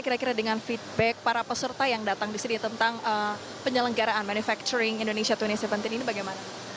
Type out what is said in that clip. kira kira dengan feedback para peserta yang datang di sini tentang penyelenggaraan manufacturing indonesia dua ribu tujuh belas ini bagaimana